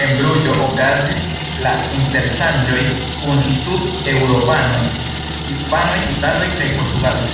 En Bruĝo okazis la interŝanĝoj kun sud-eŭropanoj: hispanoj, italoj kaj portugaloj.